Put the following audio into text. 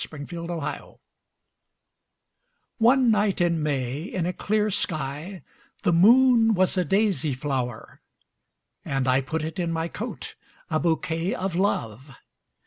My Flower ONE night in May in a clear skyThe moon was a daisy flower:And! put it in my coat,A bouquet of Love!